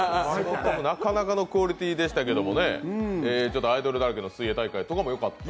なかなかのクオリティーでしたけど、アイドルだらけの水泳大会とかも良かった？